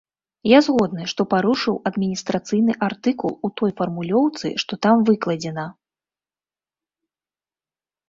Я згодны, што парушыў адміністрацыйны артыкул у той фармулёўцы, што там выкладзена.